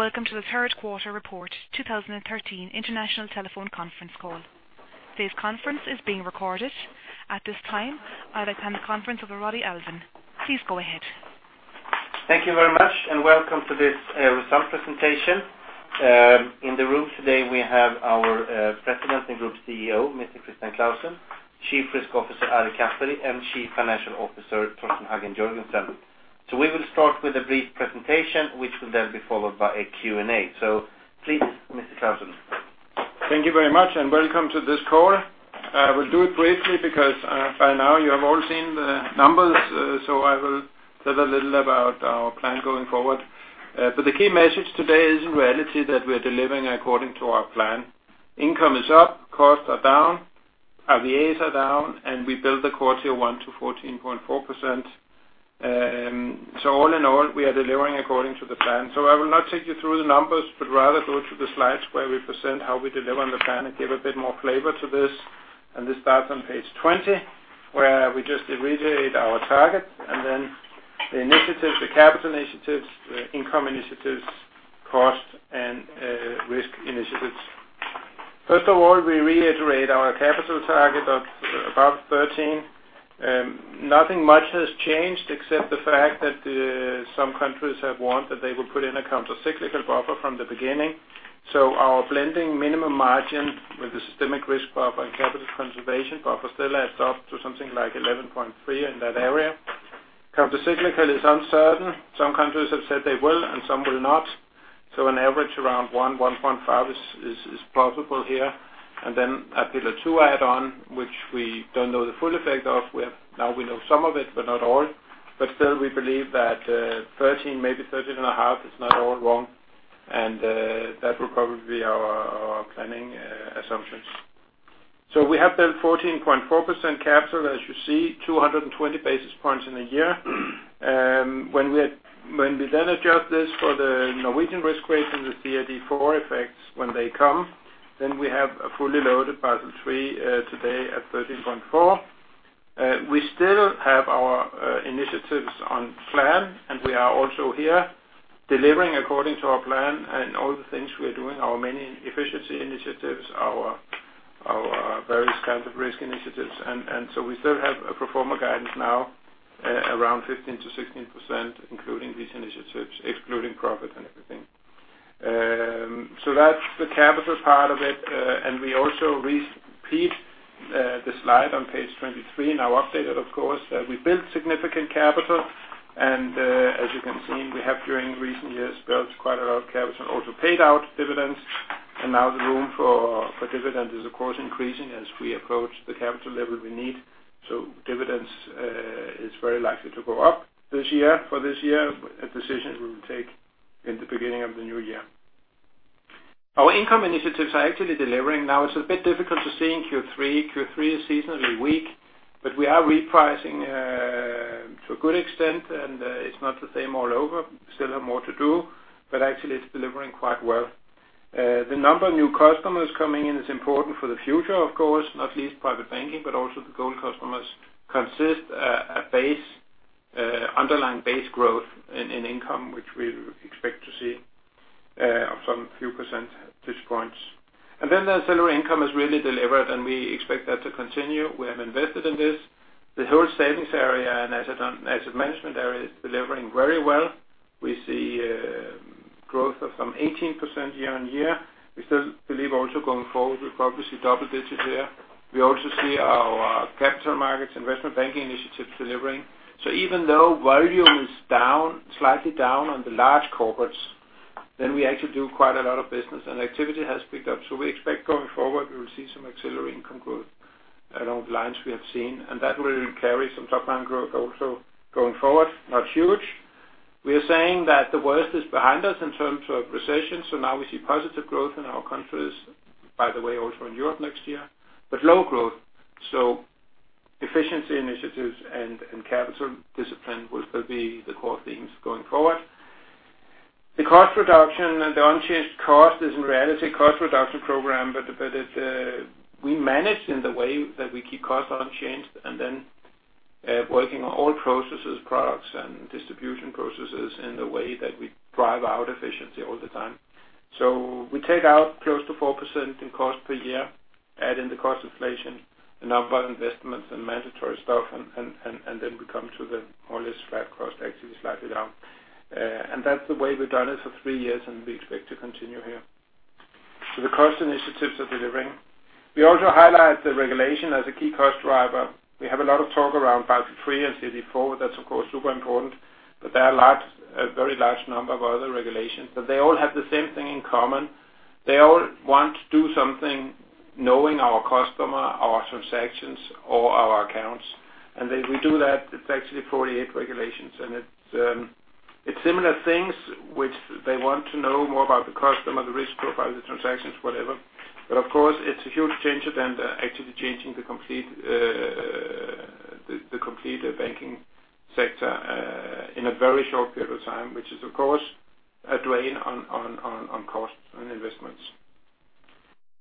Good day. Welcome to the third quarter report 2013 international telephone conference call. Today's conference is being recorded. At this time, I'd like to hand the conference over Rodney Alfvén. Please go ahead. Thank you very much. Welcome to this result presentation. In the room today we have our President and Group CEO, Mr. Christian Clausen, Chief Risk Officer, Ari Kaperi, and Chief Financial Officer, Torsten Hagen Jørgensen. We will start with a brief presentation, which will then be followed by a Q&A. Please, Mr. Clausen. Thank you very much. Welcome to this call. I will do it briefly because by now you have all seen the numbers. I will tell a little about our plan going forward. The key message today is in reality that we are delivering according to our plan. Income is up, costs are down, RWAs are down, and we build the Core Tier 1 to 14.4%. All in all, we are delivering according to the plan. I will not take you through the numbers, but rather go through the slides where we present how we deliver on the plan and give a bit more flavor to this. This starts on page 20, where we just reiterate our target and the initiatives, the capital initiatives, the income initiatives, cost and risk initiatives. First of all, we reiterate our capital target of about 13%. Nothing much has changed except the fact that some countries have warned that they will put in a counter-cyclical buffer from the beginning. Our blending minimum margin with the systemic risk buffer and capital conservation buffer still adds up to something like 11.3% in that area. Counter-cyclical is uncertain. Some countries have said they will, and some will not. An average around 1%-1.5% is plausible here. Then a Pillar 2 add-on, which we don't know the full effect of, now we know some of it, but not all. Still we believe that 13%, maybe 13.5% is not all wrong, and that will probably be our planning assumptions. We have built 14.4% capital, as you see, 220 basis points in a year. When we then adjust this for the Norwegian risk weight and the CRD IV effects when they come, we have a fully loaded Basel III today at 13.4. We still have our initiatives on plan, and we are also here delivering according to our plan and all the things we are doing, our many efficiency initiatives, our various kinds of risk initiatives. We still have a pro forma guidance now around 15%-16%, including these initiatives, excluding profit and everything. That's the capital part of it. We also repeat the slide on page 23, now updated of course, that we built significant capital. As you can see, we have during recent years built quite a lot of capital and also paid out dividends. Now the room for dividend is of course increasing as we approach the capital level we need. Dividends is very likely to go up this year. A decision we will take in the beginning of the new year. Our income initiatives are actually delivering now. It's a bit difficult to see in Q3. Q3 is seasonally weak, but we are repricing to a good extent, and it's not the same all over. We still have more to do, but actually it's delivering quite well. The number of new customers coming in is important for the future, of course, not least private banking, but also the goal customers consist a underlying base growth in income, which we expect to see of some few % at this point. The salary income has really delivered, and we expect that to continue. We have invested in this. The whole savings area and asset management area is delivering very well. We see growth of some 18% year-on-year. We still believe also going forward, we'll probably see double digits there. We also see our capital markets investment banking initiatives delivering. Even though volume is slightly down on the large corporates, we actually do quite a lot of business, and activity has picked up. We expect going forward, we will see some auxiliary income growth along the lines we have seen, and that will carry some top-line growth also going forward. Not huge. We are saying that the worst is behind us in terms of recession, now we see positive growth in our countries, by the way, also in Europe next year. Low growth. Efficiency initiatives and capital discipline will still be the core themes going forward. The cost reduction and the unchanged cost is in reality cost reduction program. We manage in the way that we keep costs unchanged and working on all processes, products and distribution processes in the way that we drive out efficiency all the time. We take out close to 4% in cost per year, add in the cost inflation and our investments and mandatory stuff, and we come to the more or less flat cost, actually slightly down. That's the way we've done it for three years, and we expect to continue here. The cost initiatives are delivering. We also highlight the regulation as a key cost driver. We have a lot of talk around Basel III and CRD IV. That's of course super important, but there are a very large number of other regulations. They all have the same thing in common. They all want to do something knowing our customer, our transactions, or our accounts. If we do that, it's actually 48 regulations. It's similar things which they want to know more about the customer, the risk profile, the transactions, whatever. Of course, it's a huge change than actually changing the complete banking sector in a very short period of time, which is of course a drain on costs and investments.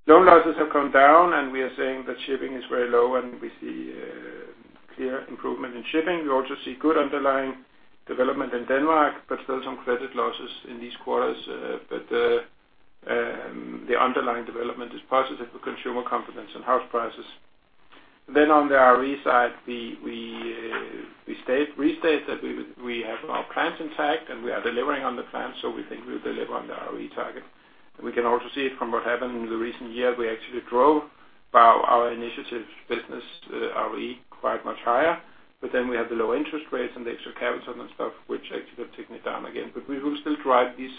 Loan losses have come down, we are saying that shipping is very low, we see a clear improvement in shipping. We also see good underlying development in Denmark, but still some credit losses in these quarters. The underlying development is positive for consumer confidence and house prices. On the ROE side, we restate that we have our plans intact, we are delivering on the plans, we think we'll deliver on the ROE target. We can also see it from what happened in the recent year. We actually drove our initiatives business ROE quite much higher. We have the low interest rates and the extra capital and stuff, which actually have taken it down again. We will still drive these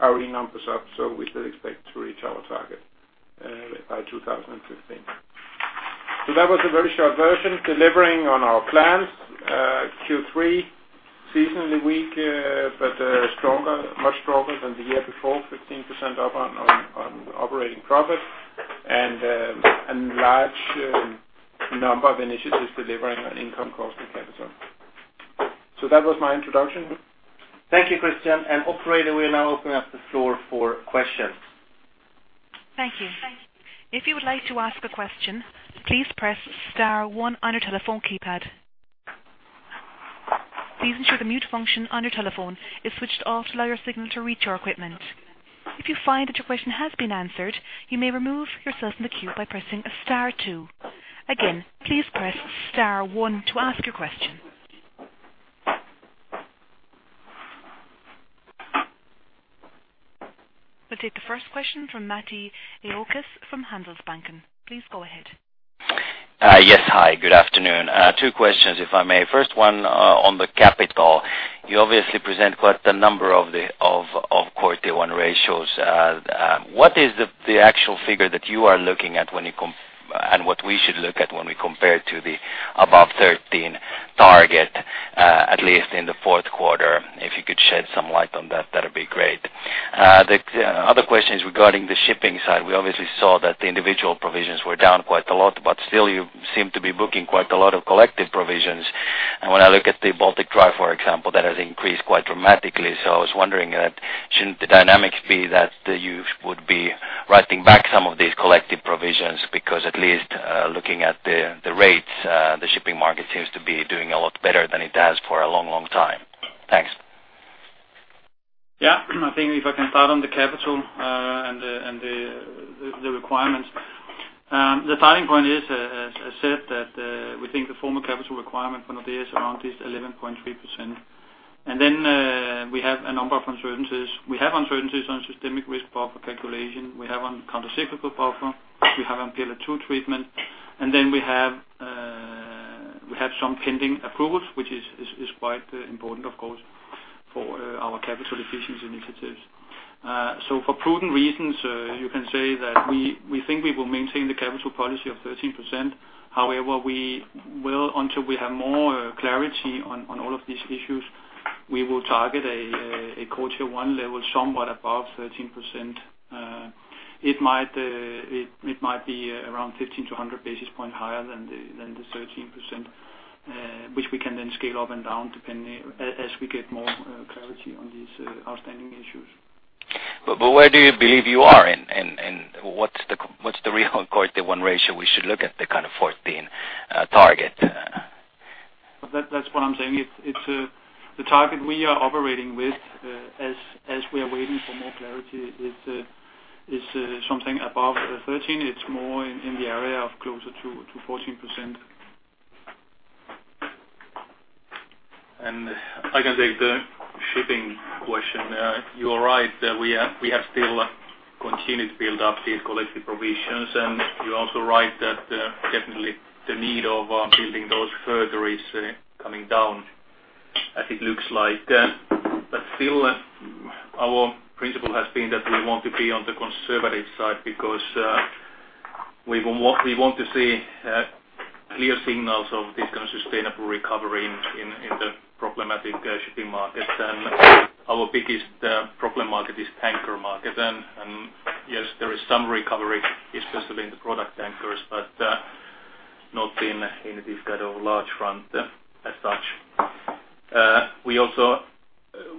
ROE numbers up, we still expect to reach our target by 2015. That was a very short version. Delivering on our plans. Q3, seasonally weak, but much stronger than the year before, 15% up on operating profit and a large number of initiatives delivering on income cost of capital. That was my introduction. Thank you, Christian. Operator, we are now opening up the floor for questions. Thank you. If you would like to ask a question, please press star one on your telephone keypad. Please ensure the mute function on your telephone is switched off to allow your signal to reach our equipment. If you find that your question has been answered, you may remove yourself from the queue by pressing star two. Again, please press star one to ask your question. We'll take the first question from Matti Ahokas from Handelsbanken. Please go ahead. Yes. Hi, good afternoon. Two questions if I may. First one on the capital. You obviously present quite a number of Q1 ratios. What is the actual figure that you are looking at and what we should look at when we compare to the above 13% target, at least in the Q4? If you could shed some light on that'd be great. The other question is regarding the shipping side. We obviously saw that the individual provisions were down quite a lot, but still you seem to be booking quite a lot of collective provisions. When I look at the Baltic Dry, for example, that has increased quite dramatically. I was wondering that shouldn't the dynamics be that you would be writing back some of these collective provisions, because at least, looking at the rates, the shipping market seems to be doing a lot better than it has for a long time. Thanks. Yeah. I think if I can start on the capital and the requirements. The starting point is, as I said, that we think the formal capital requirement for Nordea is around this 11.3%. We have a number of uncertainties. We have uncertainties on systemic risk buffer calculation, we have countercyclical buffer, we have on Pillar 2 treatment, and then we have some pending approvals, which is quite important, of course, for our capital efficiency initiatives. For prudent reasons, you can say that we think we will maintain the capital policy of 13%. However, we will, until we have more clarity on all of these issues, we will target a Q1 level somewhat above 13%. It might be around 50 to 100 basis points higher than the 13%, which we can then scale up and down as we get more clarity on these outstanding issues. Where do you believe you are, and what's the real quarter one ratio we should look at, the kind of 14 target? That's what I'm saying. The target we are operating with as we are waiting for more clarity is something above 13. It's more in the area of closer to 14%. I can take the shipping question. You are right that we have still continued to build up these collective provisions. You're also right that definitely the need of building those further is coming down as it looks like. Still our principle has been that we want to be on the conservative side because we want to see clear signals of this kind of sustainable recovery in the problematic shipping markets. Our biggest problem market is tanker market. Yes, there is some recovery, especially in the product tankers, but not in this kind of large front as such.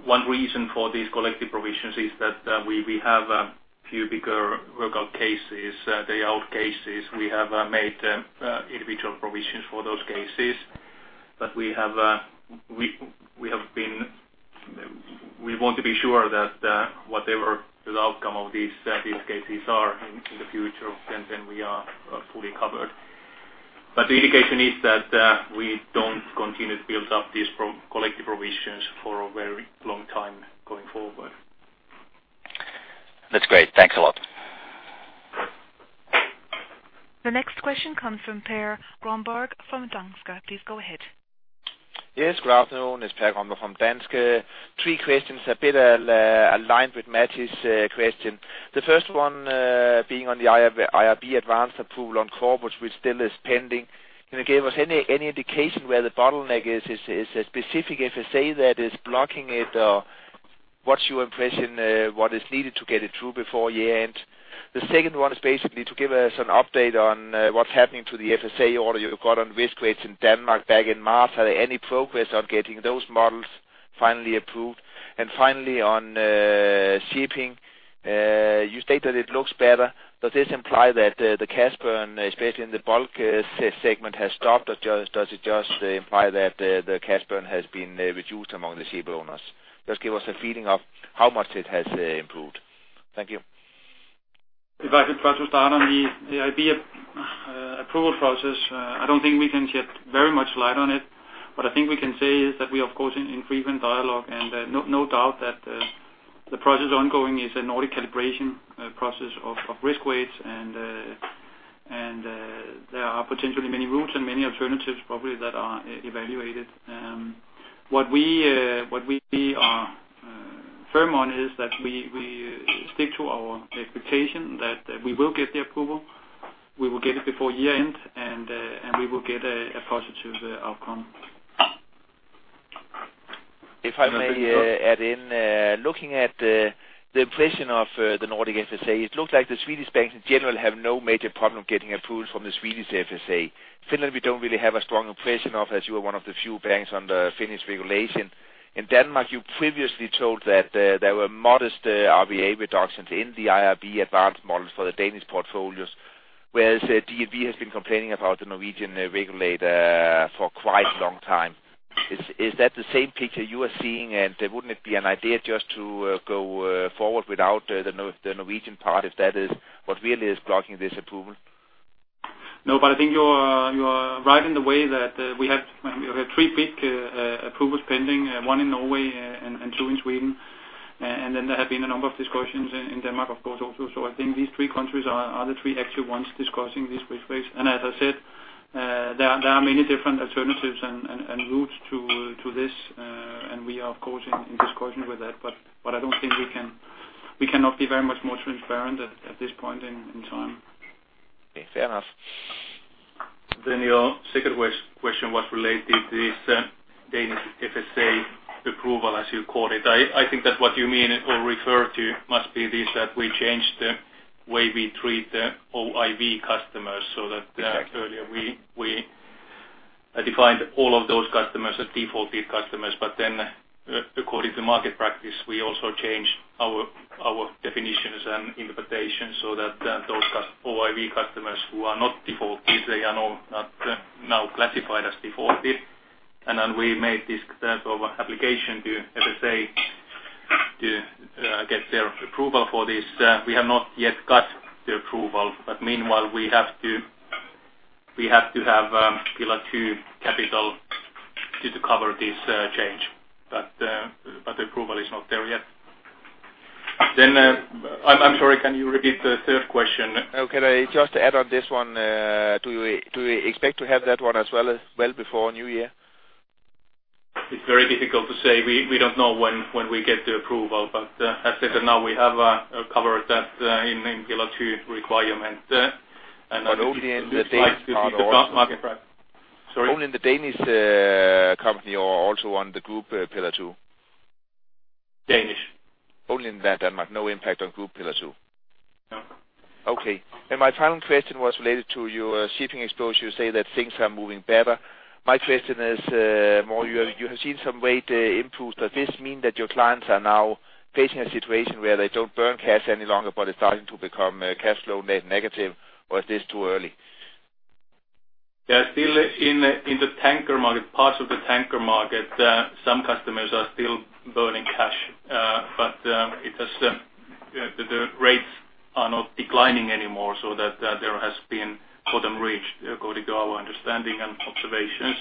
One reason for these collective provisions is that we have a few bigger workout cases, workout cases. We have made individual provisions for those cases. We want to be sure that whatever the outcome of these cases are in the future, then we are fully covered. The indication is that we don't continue to build up these collective provisions for a very long time going forward. That's great. Thanks a lot. The next question comes from Per Grönborg from Danske. Please go ahead. Yes, good afternoon. It's Per Grönborg from Danske. three questions a bit aligned with Matti's question. The first one being on the IRB advanced approval on core, which still is pending. Can you give us any indication where the bottleneck is? Is a specific FSA that is blocking it, or what's your impression what is needed to get it through before year-end? The second one is basically to give us an update on what's happening to the FSA order you got on risk rates in Denmark back in March. Are there any progress on getting those models finally approved. And finally on shipping, you state that it looks better. Does this imply that the cash burn, especially in the bulk segment, has stopped, or does it just imply that the cash burn has been reduced among the shipowners? Just give us a feeling of how much it has improved. Thank you. If I could start on the IRB approval process. I don't think we can shed very much light on it. What I think we can say is that we, of course, are in frequent dialogue. No doubt that the process ongoing is a Nordic calibration process of risk weights. There are potentially many routes and many alternatives, probably that are evaluated. What we are firm on is that we stick to our expectation that we will get the approval, we will get it before year-end, and we will get a positive outcome. If I may add in. Looking at the impression of the Nordic FSA, it looks like the Swedish banks, in general, have no major problem getting approved from the Swedish FSA. Finland, we don't really have a strong impression of, as you are one of the few banks under Finnish regulation. In Denmark, you previously told that there were modest RWA reductions in the IRB advanced models for the Danish portfolios, whereas DNB has been complaining about the Norwegian regulator for quite a long time. Is that the same picture you are seeing? Wouldn't it be an idea just to go forward without the Norwegian part if that is what really is blocking this approval? No, I think you're right in the way that we have three big approvals pending, one in Norway and two in Sweden. There have been a number of discussions in Denmark, of course, also. I think these three countries are the three actual ones discussing these risk weights. As I said, there are many different alternatives and routes to this, and we are, of course, in discussion with that. I don't think we cannot be very much more transparent at this point in time. Okay. Fair enough. Your second question was related to this Danish FSA approval, as you call it. I think that what you mean or refer to must be this, that we changed the way we treat the OIV customers. Exactly Earlier we defined all of those customers as defaulted customers. According to market practice, we also changed our definitions and interpretations so that those OIV customers who are not defaulted, they are now classified as defaulted. We made this application to FSA to get their approval for this. We have not yet got the approval, meanwhile, we have to have Pillar 2 capital to cover this change. The approval is not there yet. I'm sorry, can you repeat the third question? Can I just add on this one? Do you expect to have that one as well before New Year? It's very difficult to say. We don't know when we get the approval. As I said, now we have covered that in Pillar 2 requirement. I think it looks like to be the current market price. Sorry. Only in the Danish company or also on the group Pillar 2? Danish. Only in Denmark. No impact on group Pillar 2. No. Okay. My final question was related to your shipping exposure. You say that things are moving better. My question is, you have seen some rate improvement. Does this mean that your clients are now facing a situation where they don't burn cash any longer, but are starting to become [cash flow net negative], or is this too early? Yeah. Still in the tanker market, parts of the tanker market, some customers are still burning cash. The rates are not declining anymore, so that there has been bottom reached according to our understanding and observations.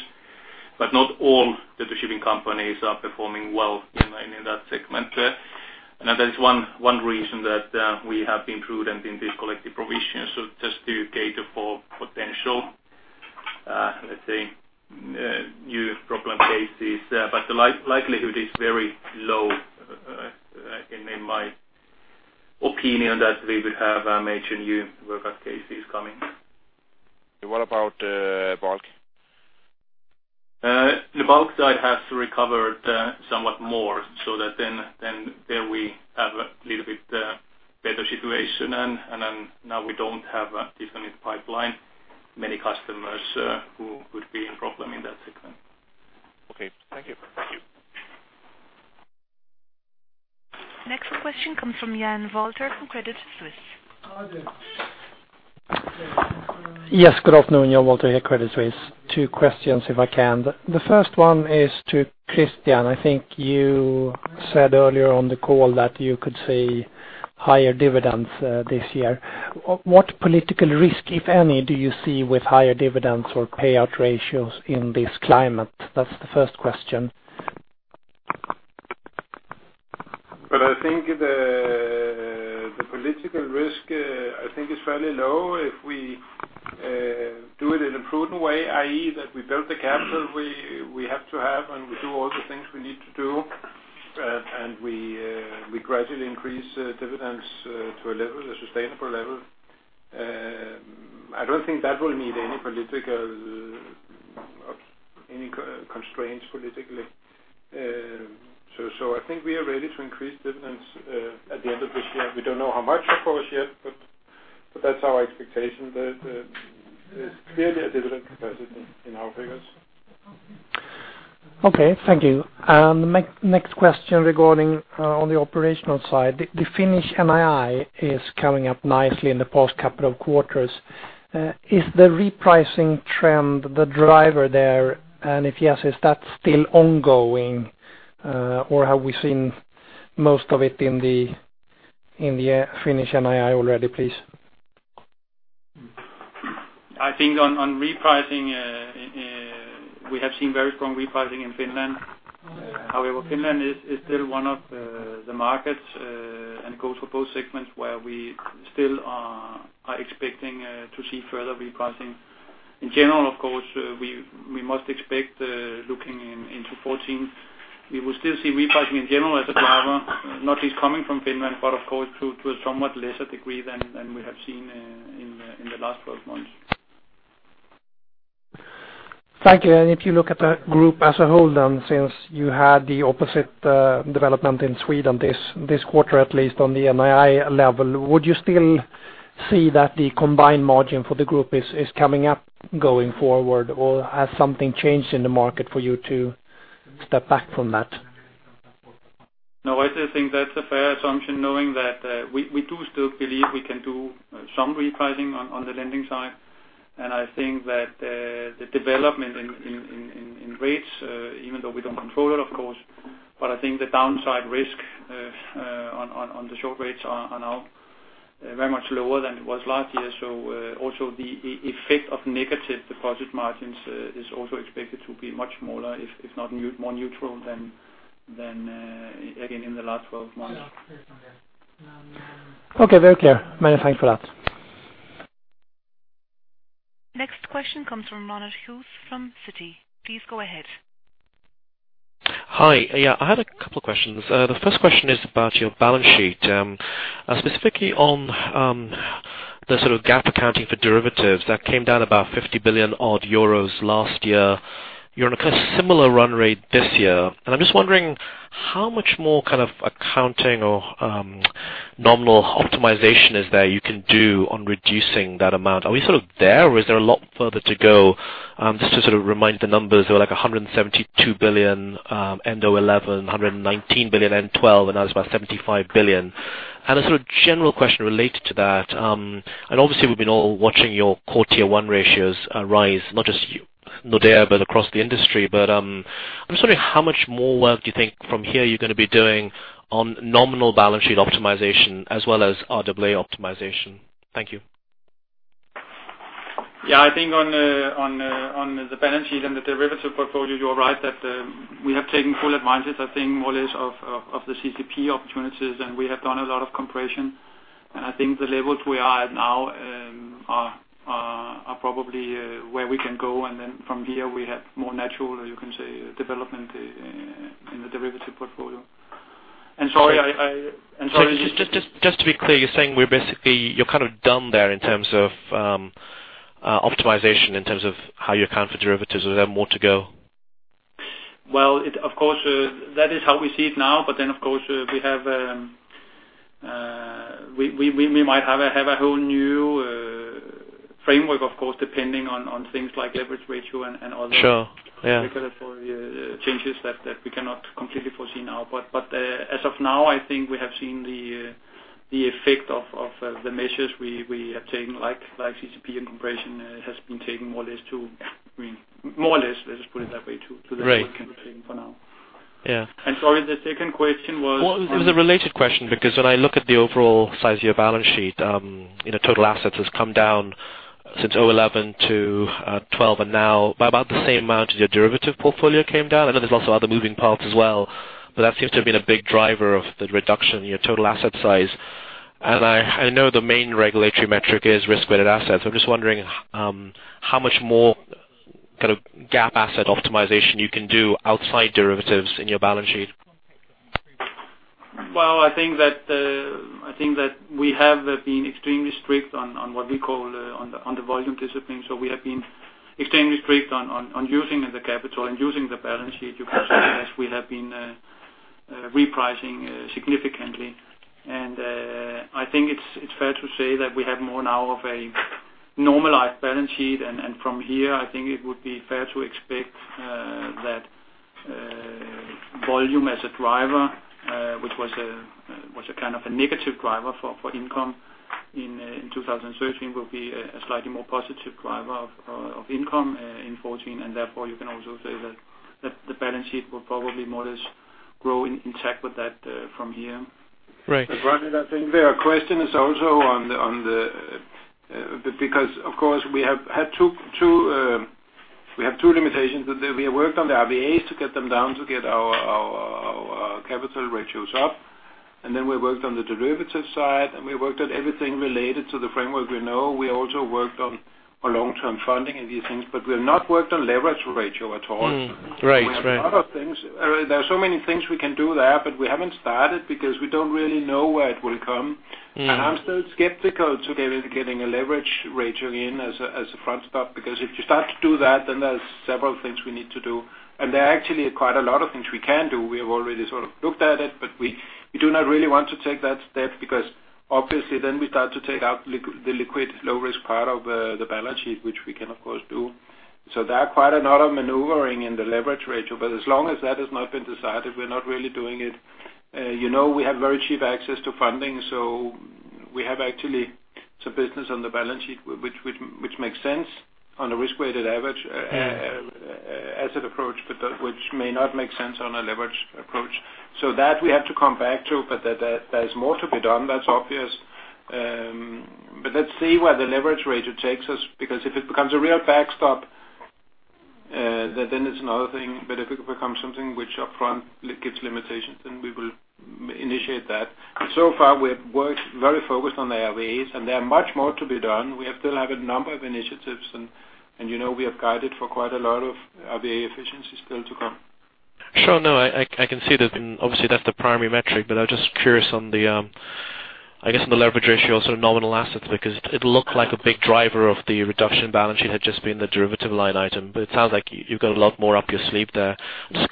Not all the shipping companies are performing well in that segment. That is one reason that we have been prudent in this collective provision. Just to cater for potential, let's say, new problem cases. The likelihood is very low, in my opinion, that we would have major new workout cases coming. What about bulk? The bulk side has recovered somewhat more, so that then there we have a little bit better situation. Now we don't have different pipeline, many customers who could be in problem in that segment. Okay. Thank you. Thank you. Next question comes from Jan Wolter from Credit Suisse. Yes. Good afternoon. Jan Wolter here, Credit Suisse. Two questions, if I can. The first one is to Christian. I think you said earlier on the call that you could see higher dividends this year. What political risk, if any, do you see with higher dividends or payout ratios in this climate? That's the first question. I think the political risk, I think is fairly low if we do it in a prudent way, i.e., that we build the capital we have to have, and we do all the things we need to do, and we gradually increase dividends to a sustainable level. I don't think that will need any constraints politically. I think we are ready to increase dividends at the end of this year. We don't know how much, of course, yet. That's our expectation. There's clearly a dividend capacity in our figures. Okay, thank you. Next question regarding on the operational side. The Finnish NII is coming up nicely in the past couple of quarters. Is the repricing trend the driver there? If yes, is that still ongoing? Have we seen most of it in the Finnish NII already, please? I think on repricing, we have seen very strong repricing in Finland. However, Finland is still one of the markets, and it goes for both segments, where we still are expecting to see further repricing. In general, of course, we must expect, looking into 2014, we will still see repricing in general as a driver, not least coming from Finland, but of course, to a somewhat lesser degree than we have seen in the last 12 months. Thank you. If you look at the group as a whole then, since you had the opposite development in Sweden this quarter, at least on the NII level, would you still see that the combined margin for the group is coming up going forward? Has something changed in the market for you to step back from that? No, I still think that's a fair assumption, knowing that we do still believe we can do some repricing on the lending side. I think that the development in rates, even though we don't control it, of course, but I think the downside risk on the short rates are now very much lower than it was last year. Also the effect of negative deposit margins is also expected to be much smaller, if not more neutral than again, in the last 12 months. Okay, very clear. Many thanks for that. Next question comes from Ronit Ghose from Citi. Please go ahead. Hi. Yeah, I had a couple questions. The first question is about your balance sheet, specifically on the sort of GAAP accounting for derivatives that came down about 50 billion euros odd last year. You're on a kind of similar run rate this year. I'm just wondering how much more kind of accounting or nominal optimization is there you can do on reducing that amount. Are we sort of there, or is there a lot further to go? Just to sort of remind the numbers, they were like 172 billion end of 2011, 119 billion end 2012, and now it's about 75 billion. A sort of general question related to that, and obviously we've been all watching your Core Tier 1 ratios rise, not just you, Nordea, but across the industry. I'm just wondering how much more work do you think from here you're going to be doing on nominal balance sheet optimization as well as RWA optimization. Thank you. Yeah, I think on the balance sheet and the derivative portfolio, you're right that we have taken full advantage, I think more or less of the CCP opportunities, we have done a lot of compression. I think the levels we are at now are probably where we can go, from here we have more natural, you can say, development in the derivative portfolio. Just to be clear, you're saying you're kind of done there in terms of optimization, in terms of how you account for derivatives, or is there more to go? Well, of course, that is how we see it now. Of course, we might have a whole new framework, of course, depending on things like leverage ratio. Sure. Yeah. regulatory changes that we cannot completely foresee now. As of now, I think we have seen the effect of the measures we have taken, like CCP and compression has been taking more or less, let's just put it that way. Right the level it's taking for now. Yeah. Sorry, the second question was. Well, it was a related question, because when I look at the overall size of your balance sheet, total assets has come down since 2011 to 2012 and now by about the same amount as your derivative portfolio came down. I know there's also other moving parts as well, but that seems to have been a big driver of the reduction in your total asset size. I know the main regulatory metric is Risk-Weighted Assets. I'm just wondering, how much more kind of GAAP asset optimization you can do outside derivatives in your balance sheet? I think that we have been extremely strict on what we call on the volume discipline. We have been extremely strict on using the capital and using the balance sheet, because as we have been repricing significantly. I think it's fair to say that we have more now of a normalized balance sheet. From here, I think it would be fair to expect that volume as a driver, which was a kind of a negative driver for income in 2013, will be a slightly more positive driver of income in 2014. Therefore, you can also say that the balance sheet will probably more or less grow in check with that from here. Right. Ronit, I think there are questions also. Because, of course, we have two limitations. We have worked on the RWAs to get them down to get our capital ratios up. Then we worked on the derivative side, and we worked on everything related to the framework we know. We also worked on our long-term funding and these things, but we have not worked on leverage ratio at all. Right. We have a lot of things. There are so many things we can do there, but we haven't started because we don't really know where it will come. I'm still skeptical to getting a leverage ratio in as a backstop, because if you start to do that, there's several things we need to do. There are actually quite a lot of things we can do. We have already sort of looked at it, but we do not really want to take that step because obviously we start to take out the liquid low-risk part of the balance sheet, which we can of course do. There is quite a lot of maneuvering in the leverage ratio. As long as that has not been decided, we're not really doing it. We have very cheap access to funding, we have actually some business on the balance sheet which makes sense on a risk-weighted average asset approach, but which may not make sense on a leverage approach. That we have to come back to, but there's more to be done, that's obvious. Let's see where the leverage ratio takes us, because if it becomes a real backstop, it's another thing. If it becomes something which upfront gives limitations, we will initiate that. So far, we have worked very focused on the RWAs, there are much more to be done. We still have a number of initiatives, we have guided for quite a lot of RWA efficiencies still to come. Sure. I can see that obviously that's the primary metric, but I'm just curious on the leverage ratio, sort of nominal assets, because it looked like a big driver of the reduction balance sheet had just been the derivative line item, but it sounds like you've got a lot more up your sleeve there. Just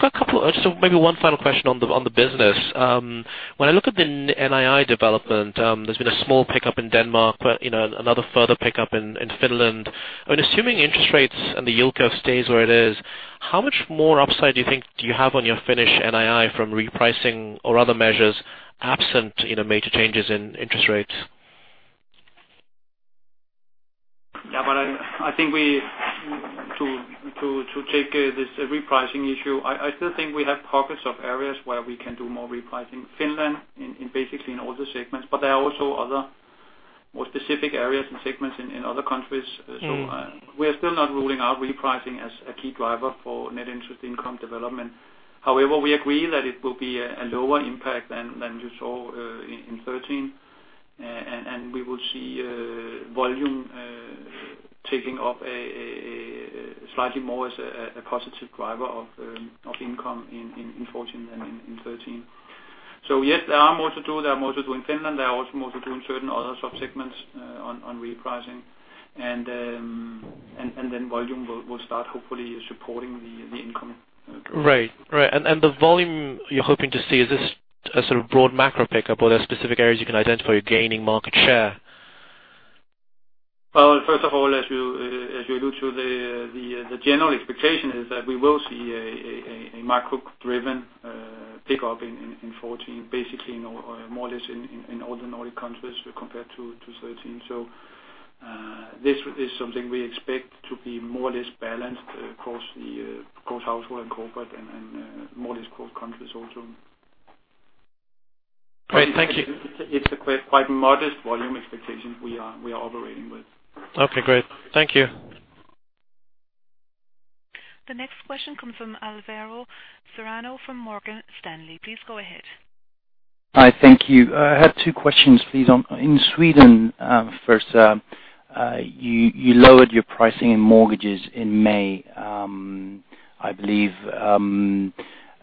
maybe one final question on the business. When I look at the NII development, there's been a small pickup in Denmark, but another further pickup in Finland. Assuming interest rates and the yield curve stays where it is, how much more upside do you think do you have on your Finnish NII from repricing or other measures absent major changes in interest rates? I think to take this repricing issue, I still think we have pockets of areas where we can do more repricing. Finland, in basically in all the segments, there are also other more specific areas and segments in other countries. We're still not ruling out repricing as a key driver for net interest income development. However, we agree that it will be a lower impact than you saw in 2013. We will see volume taking up slightly more as a positive driver of income in 2014 than in 2013. Yes, there are more to do. There are more to do in Finland. There are also more to do in certain other subsegments on repricing, volume will start hopefully supporting the income driver. Right. The volume you're hoping to see, is this a sort of broad macro pickup, or there are specific areas you can identify you're gaining market share? Well, first of all, as you allude to, the general expectation is that we will see a macro-driven pickup in 2014, basically more or less in all the Nordic countries compared to 2013. This is something we expect to be more or less balanced across household and corporate, and more or less across countries also. Great. Thank you. It's a quite modest volume expectation we are operating with. Okay, great. Thank you. The next question comes from Alvaro Serrano from Morgan Stanley. Please go ahead. Hi. Thank you. I have two questions, please. In Sweden, first, you lowered your pricing in mortgages in May. I believe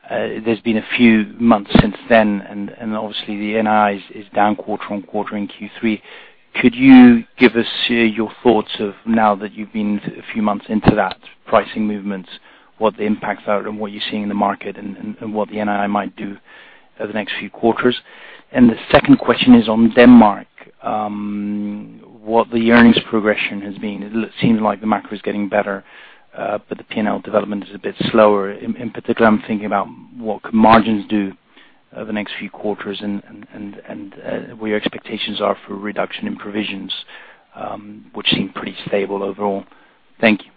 there's been a few months since then, and obviously the NII is down quarter-on-quarter in Q3. Could you give us your thoughts of now that you've been a few months into that pricing movement, what the impacts are and what you're seeing in the market and what the NII might do over the next few quarters? The second question is on Denmark, what the earnings progression has been. It seems like the macro is getting better, but the P&L development is a bit slower. In particular, I'm thinking about what could margins do over the next few quarters and where your expectations are for reduction in provisions, which seem pretty stable overall. Thank you.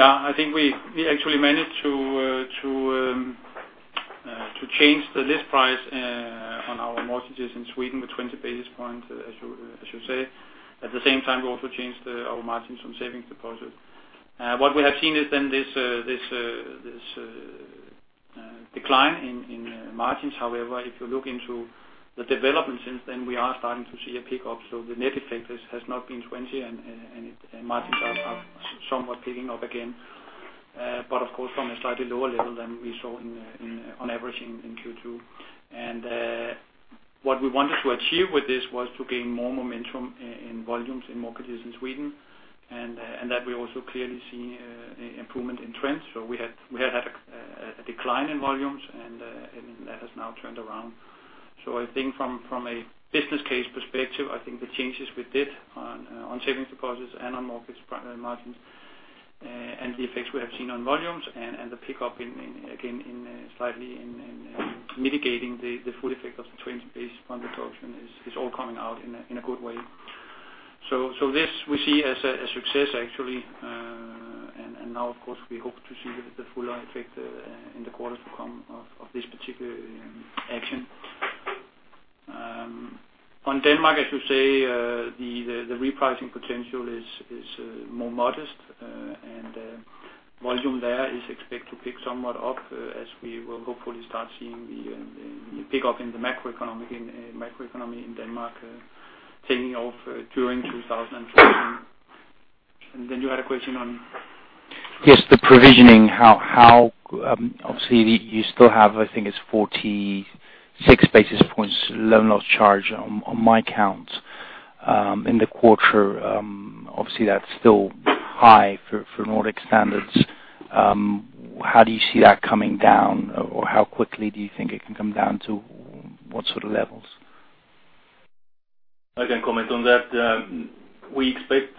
I think we actually managed to change the list price on our mortgages in Sweden with 20 basis points, I should say. At the same time, we also changed our margins on savings deposits. What we have seen is this decline in margins. However, if you look into the development since then, we are starting to see a pickup. The net effect has not been 20, and margins are somewhat picking up again. Of course, from a slightly lower level than we saw on average in Q2. What we wanted to achieve with this was to gain more momentum in volumes in mortgages in Sweden, and that we also clearly see improvement in trends. We had had a decline in volumes, and that has now turned around. I think from a business case perspective, I think the changes we did on savings deposits and on mortgage primary margins, and the effects we have seen on volumes and the pickup again slightly in mitigating the full effect of the 20 basis point deduction is all coming out in a good way. This we see as a success, actually. Now of course, we hope to see the fuller effect in the quarters to come of this particular action. On Denmark, I should say the repricing potential is more modest, and volume there is expected to pick somewhat up as we will hopefully start seeing the pickup in the macroeconomy in Denmark taking off during 2014. Then you had a question on? Yes, the provisioning, obviously you still have, I think it's 46 basis points loan loss charge on my count. In the quarter, obviously that's still high for Nordic standards. How do you see that coming down or how quickly do you think it can come down to, what sort of levels? I can comment on that. We expect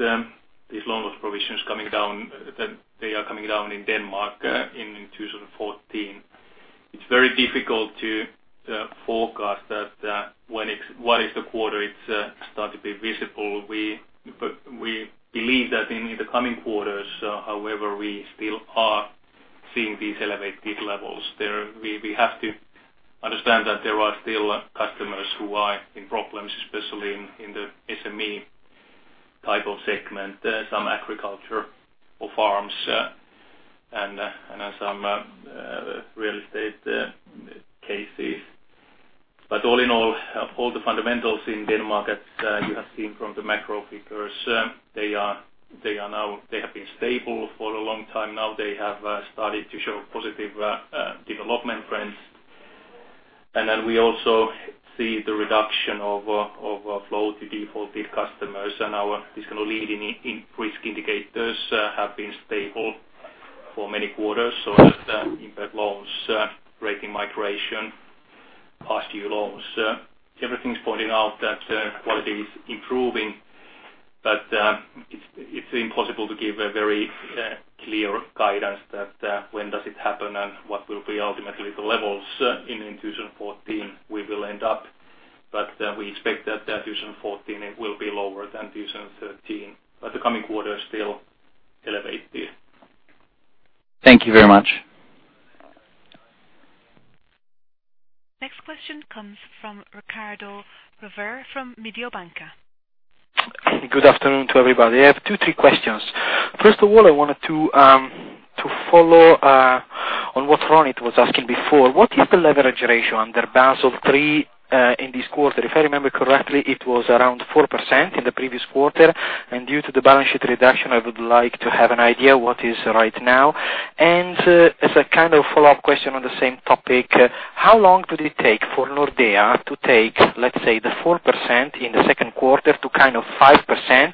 these loan loss provisions coming down, that they are coming down in Denmark in 2014. It's very difficult to forecast what is the quarter it start to be visible. We believe that in the coming quarters, however, we still are seeing these elevated levels. We have to understand that there are still customers who are in problems, especially in the SME type of segment, some agriculture or farms, and some real estate cases. All in all the fundamentals in Denmark that you have seen from the macro figures, they have been stable for a long time. Now they have started to show positive development trends. Then we also see the reduction of flow to defaulted customers. Our risk leading indicators have been stable for many quarters. That impact loans, rating migration, past due loans. Everything's pointing out that quality is improving, it's impossible to give a very clear guidance that when does it happen and what will be ultimately the levels in 2014 we will end up. We expect that 2014 it will be lower than 2013, the coming quarters still elevated. Thank you very much. Next question comes from Riccardo Rovere from Mediobanca. Good afternoon to everybody. I have two, three questions. First of all, I wanted to follow on what Ronit was asking before. What is the leverage ratio under Basel III in this quarter? If I remember correctly, it was around 4% in the previous quarter, due to the balance sheet reduction, I would like to have an idea what is right now. As a follow-up question on the same topic, how long would it take for Nordea to take, let's say, the 4% in the second quarter to 5%,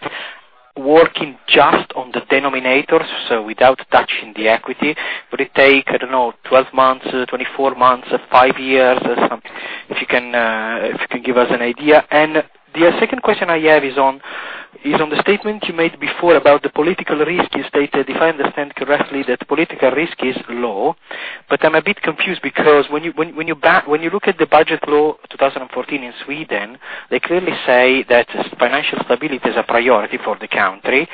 working just on the denominators, without touching the equity. Would it take, I don't know, 12 months, 24 months or five years or something, if you can give us an idea. The second question I have is on the statement you made before about the political risk you stated. If I understand correctly that political risk is low. I'm a bit confused because when you look at the budget law 2014 in Sweden, they clearly say that financial stability is a priority for the country,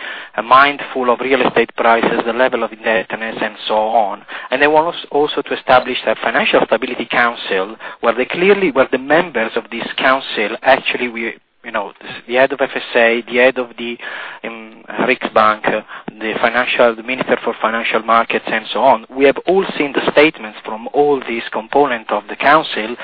mindful of real estate prices, the level of indebtedness and so on. They want also to establish a Financial Stability Council, where the members of this council actually, the head of FSA, the head of the Riksbank, the minister for financial markets, and so on. We have all seen the statements from all these components of the council,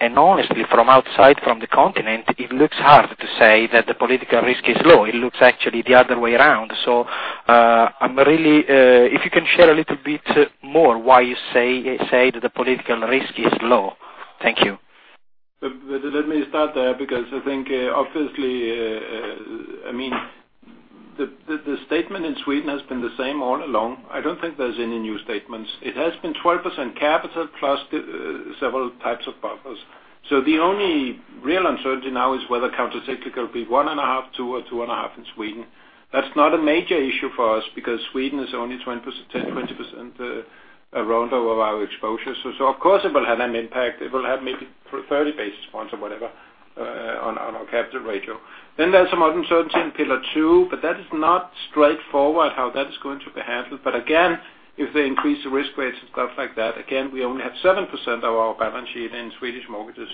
and honestly, from outside from the continent, it looks hard to say that the political risk is low. It looks actually the other way around. If you can share a little bit more why you say that the political risk is low. Thank you. Let me start there because I think obviously, the statement in Sweden has been the same all along. I don't think there's any new statements. It has been 12% capital plus several types of buffers. The only real uncertainty now is whether countercyclical will be 1.5, 2, or 2.5 in Sweden. That's not a major issue for us because Sweden is only 10%, 20% around of our exposure. Of course it will have an impact. It will have maybe 30 basis points or whatever on our capital ratio. There's some uncertainty in Pillar 2, but that is not straightforward how that is going to be handled. Again, if they increase the risk rates and stuff like that, again, we only have 7% of our balance sheet in Swedish mortgages.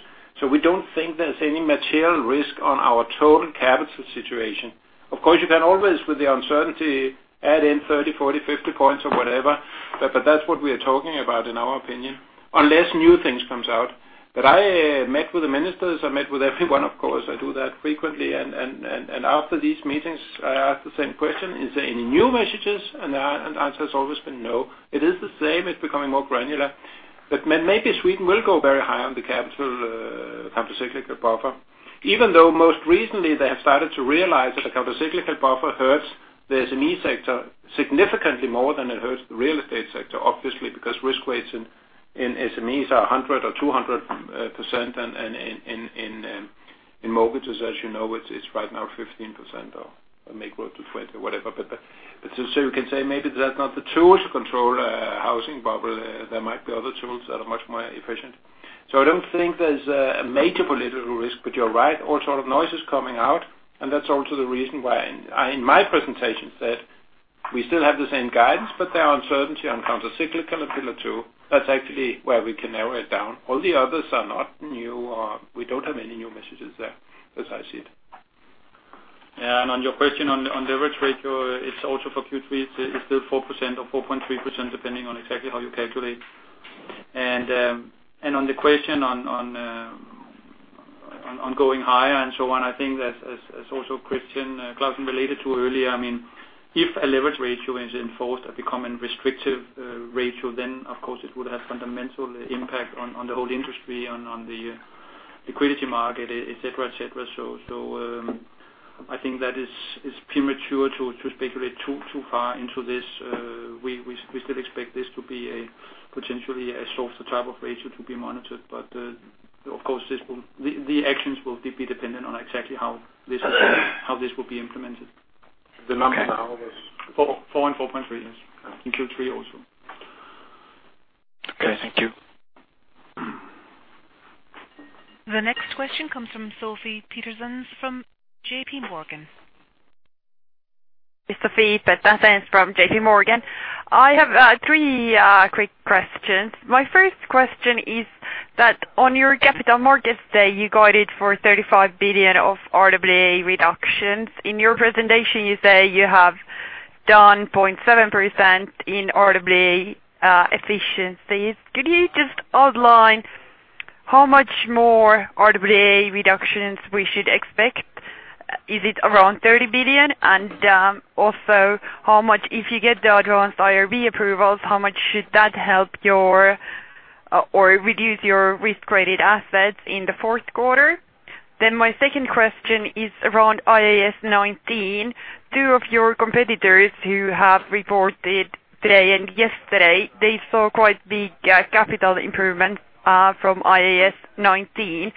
We don't think there's any material risk on our total capital situation. Of course, you can always, with the uncertainty, add in 30, 40, 50 points or whatever. That's what we are talking about in our opinion, unless new things comes out. I met with the ministers, I met with everyone, of course. I do that frequently. After these meetings, I ask the same question, is there any new messages? The answer has always been no. It is the same. It's becoming more granular. Maybe Sweden will go very high on the capital countercyclical buffer. Even though most recently they have started to realize that the countercyclical buffer hurts the SME sector significantly more than it hurts the real estate sector, obviously, because risk weights in SMEs are 100% or 200%, and in mortgages, as you know, it's right now 15% or may go to 20% or whatever. You can say maybe that's not the tools to control housing, but there might be other tools that are much more efficient. I don't think there's a major political risk, but you're right, all sort of noise is coming out, and that's also the reason why I, in my presentation said we still have the same guidance, but there are uncertainty on countercyclical and Pillar 2. That's actually where we can narrow it down. All the others are not new or we don't have any new messages there as I see it. Yeah. On your question on leverage ratio, it's also for Q3, it's still 4% or 4.3%, depending on exactly how you calculate. On the question on going higher and so on, I think as also Christian Clausen related to earlier If a leverage ratio is enforced or become a restrictive ratio, then of course it would have fundamental impact on the whole industry, on the liquidity market, et cetera. I think that it's premature to speculate too far into this. We still expect this to be potentially a softer type of ratio to be monitored. Of course, the actions will be dependent on exactly how this will be implemented. Okay. The number now is 4.3%, yes. In Q3 also. Okay, thank you. The next question comes from Sofie Peterzens from JP Morgan. It's Sofie Peterzens from JP Morgan. I have three quick questions. My first question is that on your capital markets day, you guided for 35 billion of RWA reductions. In your presentation, you say you have done 0.7% in RWA efficiencies. Could you just outline how much more RWA reductions we should expect? Is it around 30 billion? Also, if you get the advanced IRB approvals, how much should that help or reduce your risk-weighted assets in the fourth quarter? My second question is around IAS 19. Two of your competitors who have reported today and yesterday, they saw quite big capital improvements from IAS 19.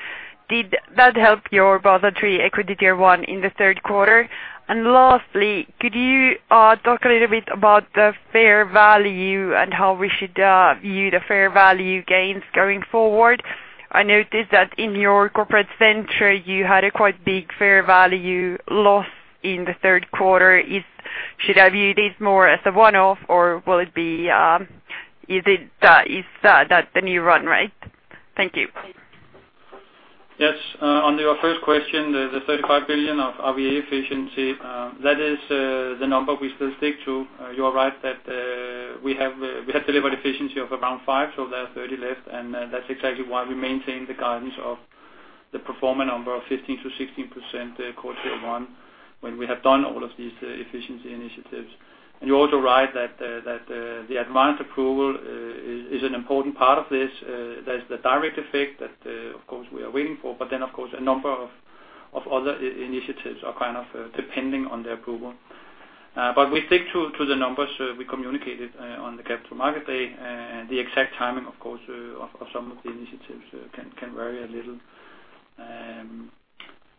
Did that help your positive equity tier one in the third quarter? Lastly, could you talk a little bit about the fair value and how we should view the fair value gains going forward? I noticed that in your corporate center, you had a quite big fair value loss in the third quarter. Should I view this more as a one-off or is that the new run rate? Thank you. Yes. On your first question, the 35 billion of RWA efficiency, that is the number we still stick to. You are right that we have delivered efficiency of around five, so there are 30 left, and that's exactly why we maintain the guidance of the pro forma number of 15%-16% core tier one when we have done all of these efficiency initiatives. You're also right that the advanced approval is an important part of this. There's the direct effect that of course we are waiting for, but then, of course, a number of other initiatives are kind of depending on the approval. We stick to the numbers we communicated on the capital market day. The exact timing, of course, of some of the initiatives can vary a little.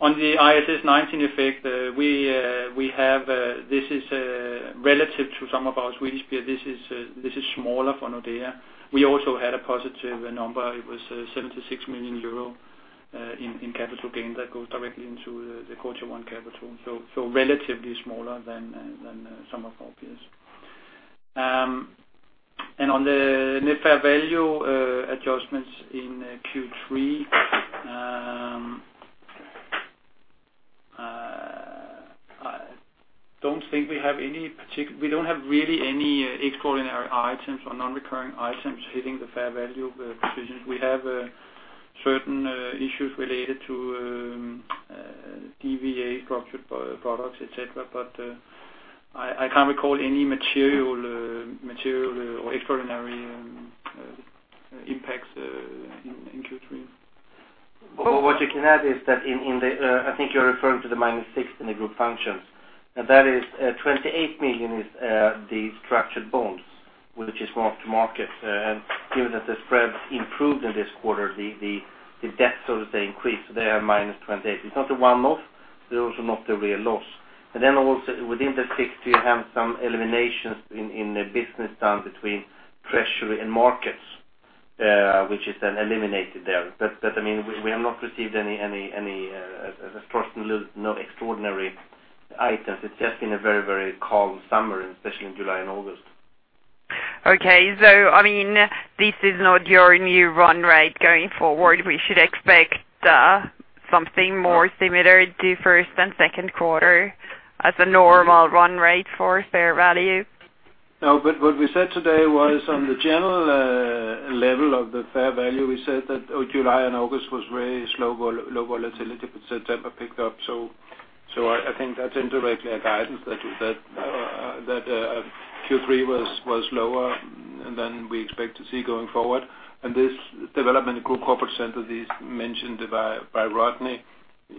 On the IAS 19 effect, this is relative to some of our Swedish peer. This is smaller for Nordea. We also had a positive number. It was 76 million euro in capital gain that goes directly into the quarter one capital. Relatively smaller than some of our peers. On the net fair value adjustments in Q3, I don't think we have really any extraordinary items or non-recurring items hitting the fair value positions. We have certain issues related to DVA structured products, et cetera. I can't recall any material or extraordinary impacts in Q3. What you can add is that I think you're referring to the minus six in the group functions. That is 28 million is the structured bonds, which is mark to market. Given that the spreads improved in this quarter, the debt, so to say, increased. They are minus 28. It's not a one-off, also not a real loss. Also within the 60, you have some eliminations in the business done between treasury and markets, which is then eliminated there. We have not received any extraordinary items. It's just been a very calm summer, especially in July and August. Okay. This is not your new run rate going forward. We should expect something more similar to first and second quarter as a normal run rate for fair value? No, what we said today was on the general level of the fair value, we said that July and August was very slow, low volatility, September picked up. I think that's indirectly a guidance that Q3 was lower than we expect to see going forward. This development in group corporate center is mentioned by Rodney.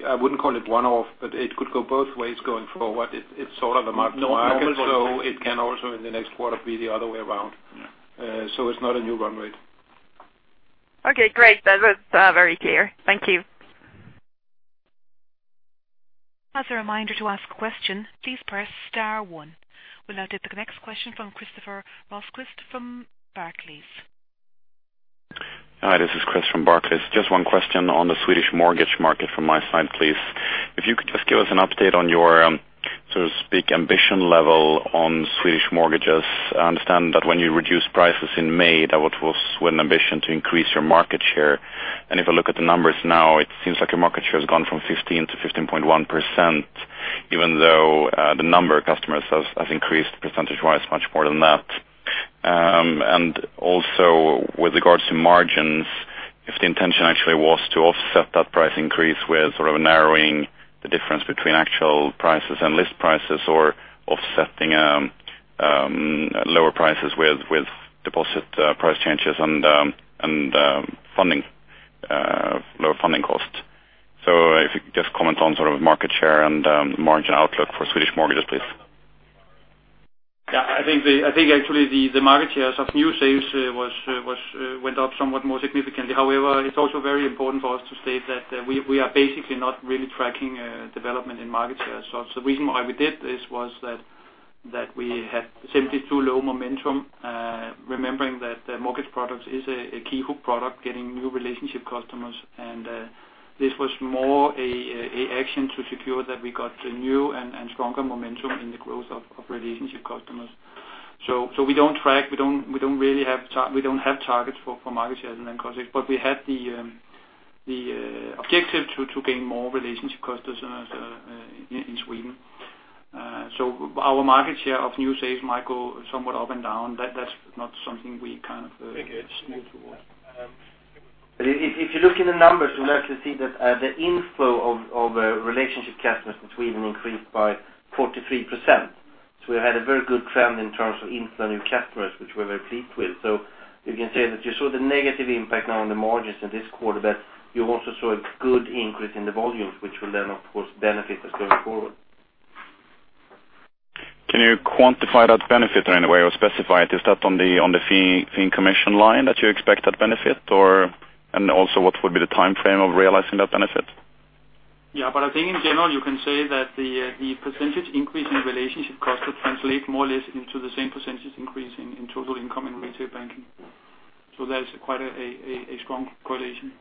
I wouldn't call it one-off, it could go both ways going forward. It's sort of a mark to market, it can also in the next quarter be the other way around. Yeah. It's not a new run rate. Okay, great. That's very clear. Thank you. As a reminder, to ask a question, please press star one. We'll now take the next question from Christopher Mossquist from Barclays. Hi, this is Chris from Barclays. Just one question on the Swedish mortgage market from my side, please. If you could just give us an update on your, so to speak, ambition level on Swedish mortgages. I understand that when you reduced prices in May, that was with an ambition to increase your market share. If I look at the numbers now, it seems like your market share has gone from 15% to 15.1%, even though the number of customers has increased percentage-wise much more than that. Also with regards to margins, if the intention actually was to offset that price increase with sort of narrowing the difference between actual prices and list prices or offsetting lower prices with deposit price changes and lower funding costs. If you could just comment on market share and the margin outlook for Swedish mortgages, please. Yeah. I think actually the market shares of new sales went up somewhat more significantly. It's also very important for us to state that we are basically not really tracking development in market share. The reason why we did this was that we had simply too low momentum, remembering that the mortgage product is a key hook product, getting new relationship customers. This was more an action to secure that we got a new and stronger momentum in the growth of relationship customers. We don't track, we don't have targets for market share as an end concept, but we had the objective to gain more relationship customers in Sweden. Our market share of new sales might go somewhat up and down. That's not something we kind of move towards. If you look in the numbers, you'll actually see that the inflow of relationship customers in Sweden increased by 43%. We had a very good trend in terms of inflow new customers, which we're very pleased with. You can say that you saw the negative impact now on the margins in this quarter, but you also saw a good increase in the volumes, which will then, of course, benefit us going forward. Can you quantify that benefit in any way or specify it? Is that on the fee commission line that you expect that benefit, or also, what would be the timeframe of realizing that benefit? Yeah, I think in general, you can say that the percentage increase in relationship costs will translate more or less into the same percentage increase in total income in retail banking. That is quite a strong correlation.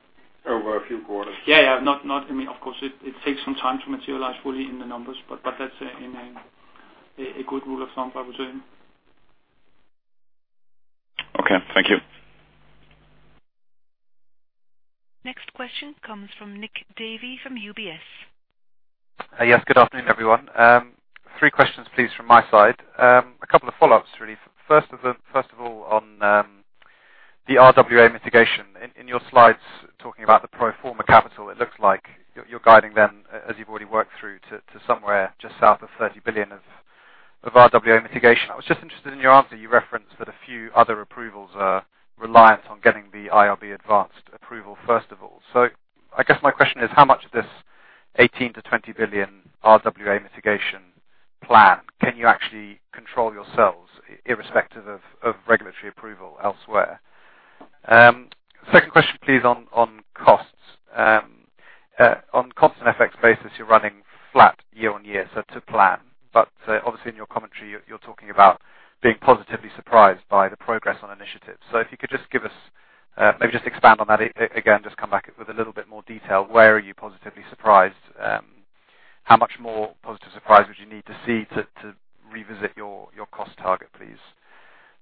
Over a few quarters. Yeah. Of course, it takes some time to materialize fully in the numbers. That's a good rule of thumb, I would say. Okay. Thank you. Next question comes from Nick Davey from UBS. Yes. Good afternoon, everyone. Three questions, please, from my side. A couple of follow-ups, really. First of all, on the RWA mitigation. In your slides, talking about the pro forma capital, it looks like you're guiding them as you've already worked through to somewhere just south of 30 billion of RWA mitigation. I was just interested in your answer. You referenced that a few other approvals are reliant on getting the IRB advanced approval, first of all. I guess my question is, how much of this 18 billion-20 billion RWA mitigation plan can you actually control yourselves irrespective of regulatory approval elsewhere? Second question please, on costs. On constant FX basis, you're running flat year-over-year, to plan. Obviously in your commentary, you're talking about being positively surprised by the progress on initiatives. If you could just give us, maybe just expand on that again, just come back with a little bit more detail. Where are you positively surprised? How much more positive surprise would you need to see to revisit your cost target, please?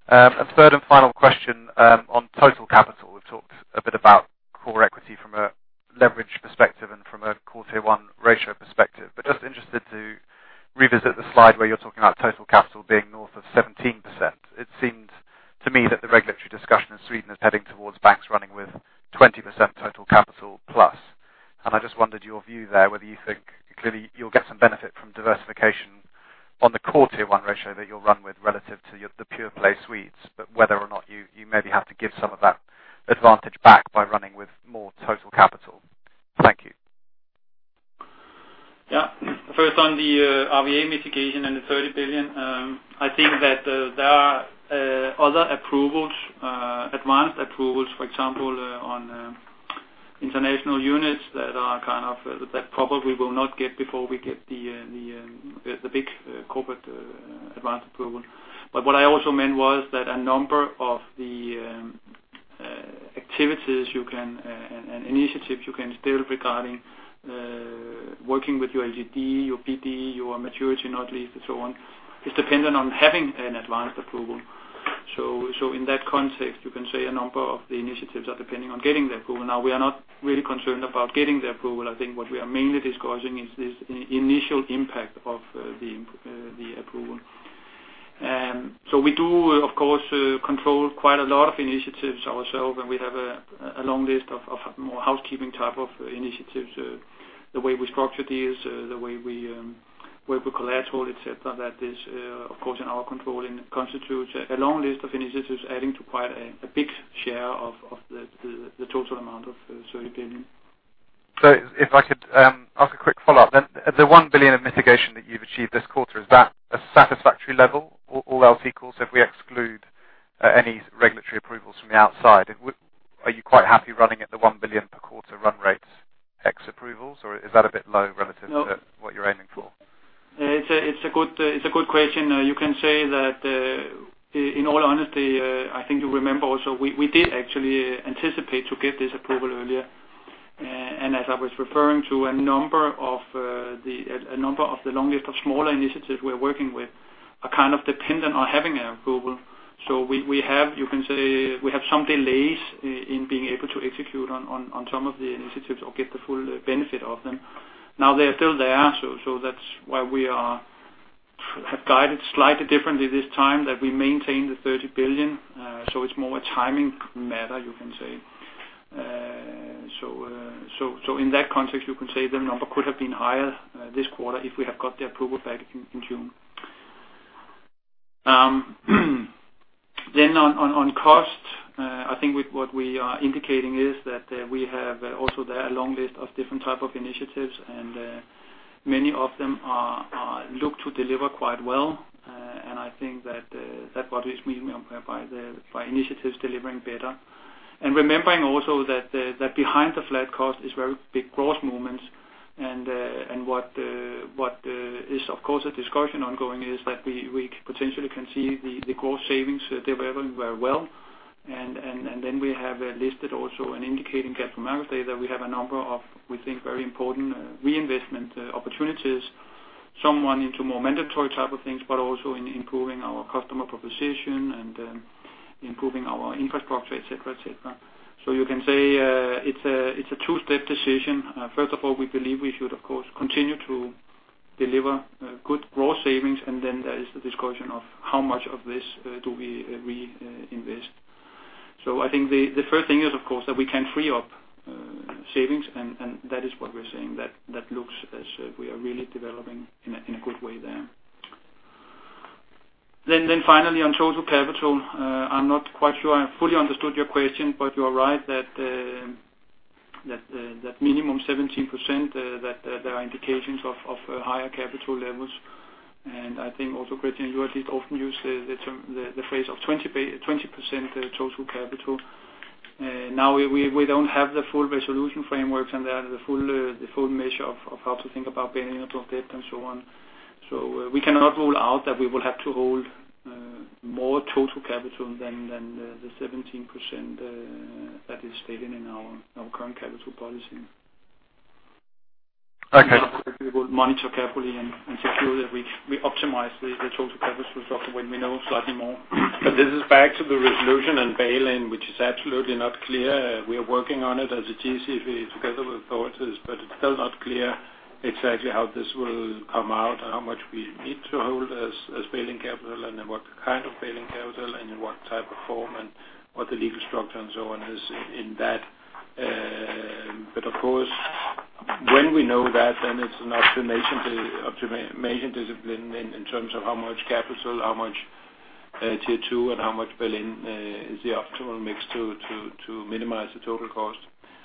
Third and final question on total capital. We've talked a bit about core equity from a leverage perspective and from a Core Tier 1 ratio perspective, just interested to revisit the slide where you're talking about total capital being north of 17%. It seems to me that the regulatory discussion in Sweden is heading towards banks running with 20% total capital plus. I just wondered your view there, whether you think clearly you'll get some benefit from diversification on the Core Tier 1 ratio that you'll run with relative to the pure play Swedes, whether or not you maybe have to give some of that advantage back by running with more total capital. Thank you. Yeah. First on the RWA mitigation and the 30 billion, I think that there are other approvals, advanced approvals, for example on international units that probably will not get before we get the big corporate advanced approval. What I also meant was that a number of the activities and initiatives you can build regarding working with your LGD, your PD, your maturity, not least, and so on, is dependent on having an advanced approval. In that context, you can say a number of the initiatives are depending on getting the approval. Now, we are not really concerned about getting the approval. I think what we are mainly discussing is this initial impact of the approval. We do, of course, control quite a lot of initiatives ourselves, and we have a long list of more housekeeping type of initiatives. The way we structure these, the way we work with collateral, et cetera. That is, of course, in our control and constitutes a long list of initiatives adding to quite a big share of the total amount of 30 billion. If I could ask a quick follow-up then. The 1 billion of mitigation that you've achieved this quarter, is that a satisfactory level all else equal? If we exclude any regulatory approvals from the outside, are you quite happy running at the 1 billion per quarter run rate X approvals, or is that a bit low relative to what you're aiming for? It's a good question. You can say that in all honesty, I think you remember also we did actually anticipate to get this approval earlier. As I was referring to a number of the long list of smaller initiatives we're working with are kind of dependent on having an approval. We have some delays in being able to execute on some of the initiatives or get the full benefit of them. Now they are still there, so that's why we have guided slightly differently this time, that we maintain the 30 billion. It's more a timing matter, you can say. In that context, you can say the number could have been higher this quarter if we had got the approval back in June. On cost, I think what we are indicating is that we have also there a long list of different type of initiatives, and many of them look to deliver quite well. I think that's what is meant by initiatives delivering better. Remembering also that behind the flat cost is very big gross movements and what is, of course, a discussion ongoing is that we potentially can see the gross savings developing very well. We have listed also and indicating capital management that we have a number of, we think, very important reinvestment opportunities, somewhat into more mandatory type of things, but also in improving our customer proposition and improving our infrastructure, et cetera. You can say it's a two-step decision. First of all, we believe we should, of course, continue to deliver good growth savings. Then there is the discussion of how much of this do we reinvest. I think the first thing is, of course, that we can free up savings, and that is what we're saying. That looks as if we are really developing in a good way there. Finally, on total capital. I'm not quite sure I fully understood your question, but you are right that minimum 17%, that there are indications of higher capital levels. I think also, Christian, you at least often use the phrase of 20% total capital. We don't have the full resolution frameworks and the full measure of how to think about bail-in and so on. We cannot rule out that we will have to hold more total capital than the 17% that is stated in our current capital policy. Okay. We will monitor carefully and ensure that we optimize the total capital result when we know slightly more. This is back to the resolution and bail-in, which is absolutely not clear. We are working on it as a GCC together with authorities, but it's still not clear exactly how this will come out and how much we need to hold as bail-in capital, and what kind of bail-in capital, and in what type of form and what the legal structure and so on is in that. Of course, when we know that, it's an optimization discipline in terms of how much capital, how much Tier 2, and how much bail-in is the optimal mix to minimize the total cost.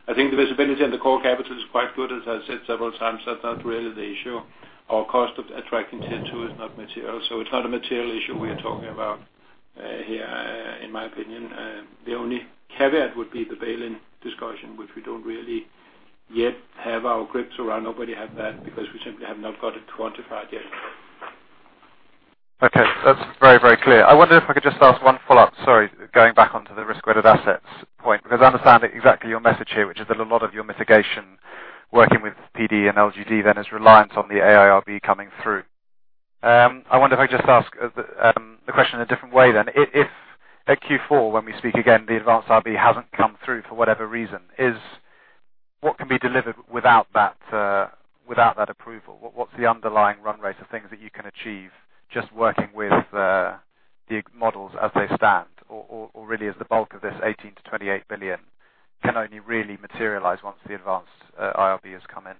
I think the visibility in the core capital is quite good. As I said several times, that's not really the issue. Our cost of attracting Tier 2 is not material, it's not a material issue we are talking about here, in my opinion. The only caveat would be the bail-in discussion, which we don't really yet have our grips around. Nobody have that, because we simply have not got it quantified yet. Okay. That's very, very clear. I wonder if I could just ask one follow-up. Sorry, going back onto the risk-weighted assets point, because I understand exactly your message here, which is that a lot of your mitigation, working with PD and LGD is reliant on the IRB coming through. I wonder if I just ask the question a different way. If at Q4, when we speak again, the advanced IRB hasn't come through for whatever reason, what can be delivered without that approval? What's the underlying run rate of things that you can achieve just working with the models as they stand? Or really as the bulk of this 18 billion-20 billion can only really materialize once the advanced IRB has come in.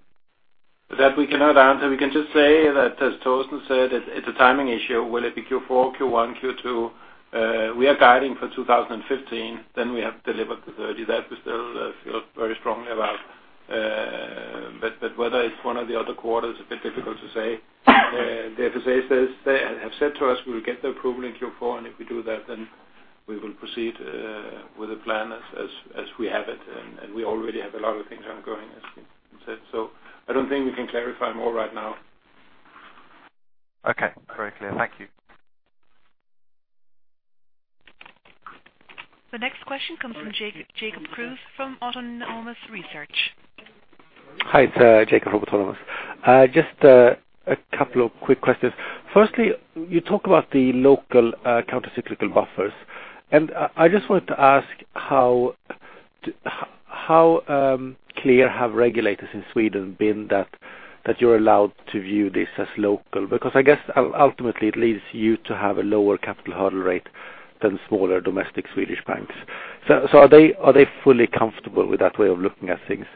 That we cannot answer. We can just say that as Torsten said, it's a timing issue. Will it be Q4, Q1, Q2? We are guiding for 2015, then we have delivered the 30 billion. That we still feel very strongly about. Whether it's one of the other quarters, a bit difficult to say. The FSA have said to us we'll get the approval in Q4, and if we do that, then we will proceed with the plan as we have it. We already have a lot of things ongoing, as you said. I don't think we can clarify more right now. Okay. Very clear. Thank you. The next question comes from Jacob Kruse from Autonomous Research. Hi, it's Jacob from Autonomous. Just a couple of quick questions. Firstly, you talk about the local countercyclical buffers, I just wanted to ask how clear have regulators in Sweden been that you're allowed to view this as local? Because I guess ultimately it leads you to have a lower capital hurdle rate than smaller domestic Swedish banks. Are they fully comfortable with that way of looking at things?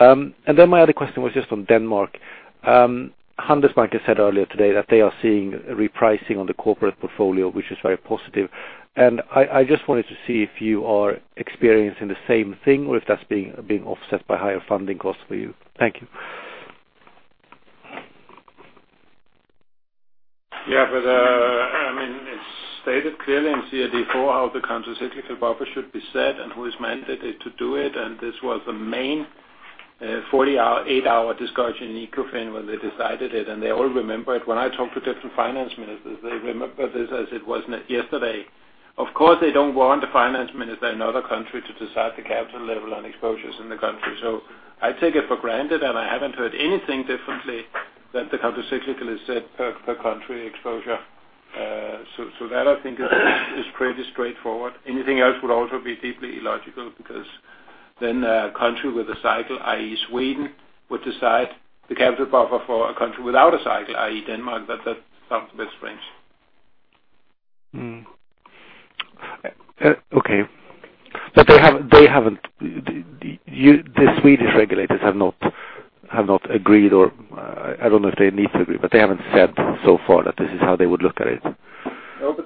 My other question was just on Denmark. Handelsbanken said earlier today that they are seeing repricing on the corporate portfolio, which is very positive. I just wanted to see if you are experiencing the same thing, or if that's being offset by higher funding costs for you. Thank you. Yeah. It's stated clearly in CRD IV how the countercyclical buffer should be set and who is mandated to do it, and this was the main 48-hour discussion in Ecofin when they decided it, and they all remember it. When I talk to different finance ministers, they remember this as it was yesterday. Of course, they don't want the finance minister in another country to decide the capital level and exposures in the country. I take it for granted, and I haven't heard anything different that the countercyclical is set per country exposure. That I think is pretty straightforward. Anything else would also be deeply illogical because then a country with a cycle, i.e. Sweden, would decide the capital buffer for a country without a cycle, i.e. Denmark. That sounds a bit strange. Okay. The Swedish regulators have not agreed or, I don't know if they need to agree, but they haven't said so far that this is how they would look at it.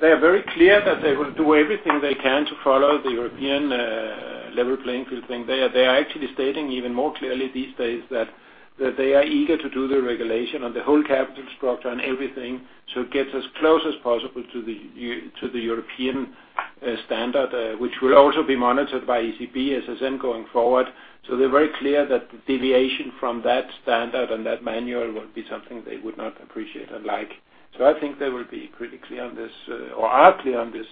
They are very clear that they will do everything they can to follow the European level playing field thing. They are actually stating even more clearly these days that they are eager to do the regulation on the whole capital structure and everything to get as close as possible to the European standard, which will also be monitored by ECB, SSM going forward. They are very clear that the deviation from that standard and that manual would be something they would not appreciate and like. I think they will be pretty clear on this, or are clear on this.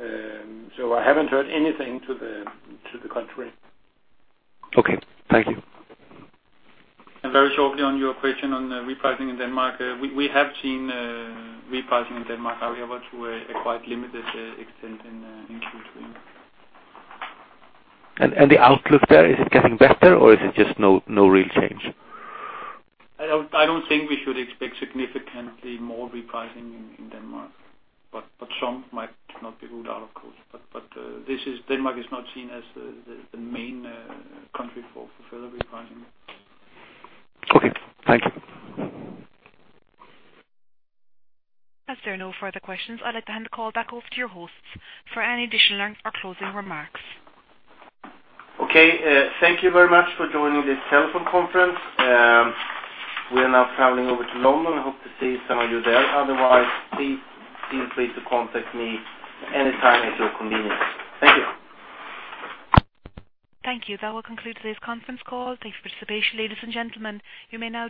I haven't heard anything to the contrary. Okay. Thank you. Very shortly on your question on repricing in Denmark. We have seen repricing in Denmark, however, to a quite limited extent in Q3. The outlook there, is it getting better or is it just no real change? I don't think we should expect significantly more repricing in Denmark, some might not be ruled out, of course. Denmark is not seen as the main country for further repricing. Okay. Thank you. As there are no further questions, I'd like to hand the call back over to your hosts for any additional or closing remarks. Okay. Thank you very much for joining this telephone conference. We are now traveling over to London. I hope to see some of you there. Otherwise, please feel free to contact me anytime at your convenience. Thank you. Thank you. That will conclude today's conference call. Thank you for your participation, ladies and gentlemen. You may now disconnect.